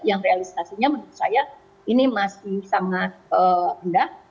yang realisasinya menurut saya ini masih sangat rendah